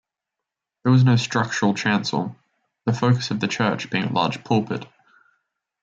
There was no structural chancel, the focus of the church being a large pulpit.